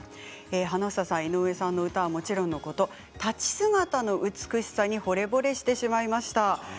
花總さん、井上さんの歌はもちろんのこと立ち姿の美しさにほれぼれしてしまいました。